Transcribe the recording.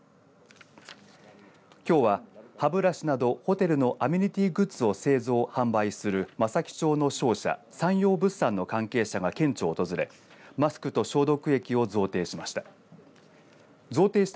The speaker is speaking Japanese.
きょうは歯ブラシなどホテルのアメニティグッズを製造販売する松前町の商社山陽物産の関係者が県庁を訪れマスクと消毒液を贈呈しました。